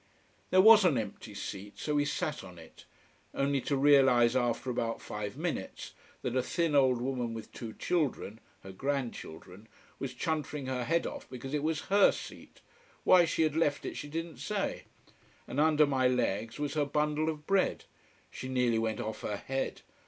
There was an empty seat, so we sat on it: only to realize after about five minutes, that a thin old woman with two children her grandchildren was chuntering her head off because it was her seat why she had left it she didn't say. And under my legs was her bundle of bread. She nearly went off her head.